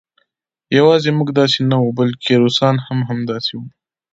یوازې موږ داسې نه وو بلکې روسان هم همداسې وو